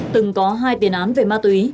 từng có hai tiền án về ma túy